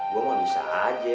gue mau bisa aja